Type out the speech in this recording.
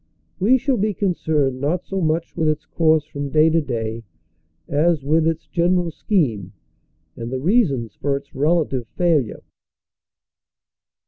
We shall be concerned not so much with its course from day to day as with its general scheme and the reasons for its relative failure.